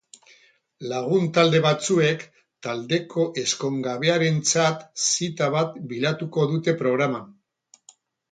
Lagun-talde batzuek taldeko ezkongabearentzat zita bat bilatuko dute programan.